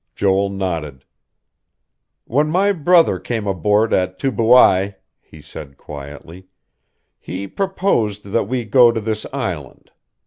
Joel nodded. "When my brother came aboard at Tubuai," he said quietly, "he proposed that we go to this island....